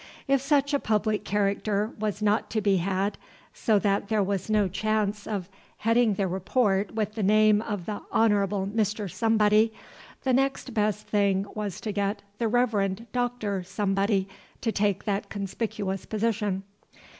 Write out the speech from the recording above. If such a public character was not to be had, so that there was no chance of heading the Report with the name of the Honorable Mr. Somebody, the next best thing was to get the Reverend Dr. Somebody to take that conspicuous position.